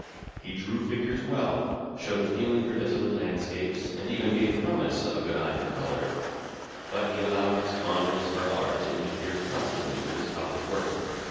He drew figures well, showed a feeling for desolate landscapes, and even gave promise of a good eye for colour. But he allowed his fondness for art to interfere constantly with his college work.